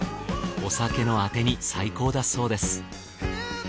お酒のアテに最高だそうです。